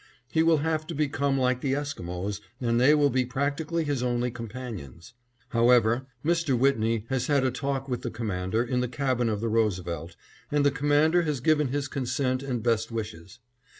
He will have to become like the Esquimos and they will be practically his only companions. However, Mr. Whitney has had a talk with the Commander in the cabin of the Roosevelt, and the Commander has given his consent and best wishes.